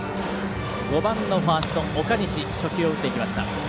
５番のファースト、岡西初球を打っていきました。